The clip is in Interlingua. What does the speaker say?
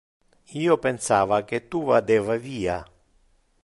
Io pensava que tu vadeva via.